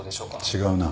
違うな。